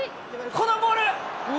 このボール。